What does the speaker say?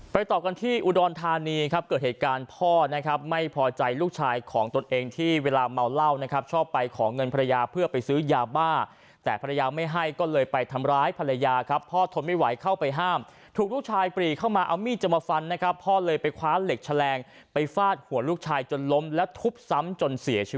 ต่อกันที่อุดรธานีครับเกิดเหตุการณ์พ่อนะครับไม่พอใจลูกชายของตนเองที่เวลาเมาเหล้านะครับชอบไปขอเงินภรรยาเพื่อไปซื้อยาบ้าแต่ภรรยาไม่ให้ก็เลยไปทำร้ายภรรยาครับพ่อทนไม่ไหวเข้าไปห้ามถูกลูกชายปรีเข้ามาเอามีดจะมาฟันนะครับพ่อเลยไปคว้าเหล็กแฉลงไปฟาดหัวลูกชายจนล้มแล้วทุบซ้ำจนเสียชีวิต